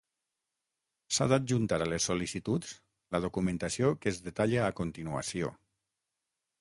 S'ha d'adjuntar a les sol·licituds la documentació que es detalla a continuació.